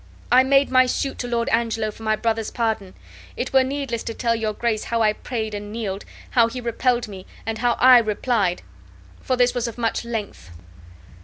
I made my suit to lord Angelo for my brother's pardon. It were needless to tell your Grace how I prayed and kneeled, how he repelled me, and how I replied; for this was of much length.